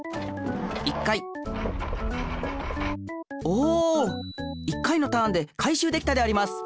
おお１回のターンで回しゅうできたであります。